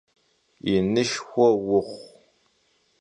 Yinışşxue vuxhu!